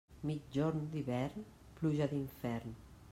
Migjorn d'hivern, pluja d'infern.